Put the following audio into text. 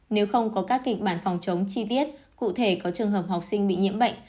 nếu không có các kịch bản phòng chống chi tiết cụ thể có trường hợp học sinh bị nhiễm bệnh